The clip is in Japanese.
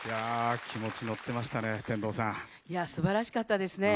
気持ち乗っていましたねすばらしかったですね。